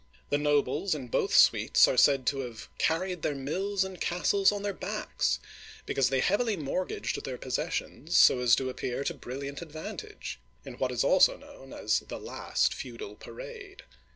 The nobles in both suites are said to have " carried their mills and castles on their backs,'* because they heavily mortgaged their possessions so as to appear to brilliant advantage, in what is also known as " the last feudal parade.